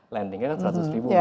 lendingnya kan seratus ribu